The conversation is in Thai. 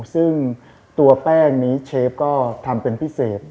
ซึ่งตัวแป้งนี้เชฟก็ทำเป็นพิเศษ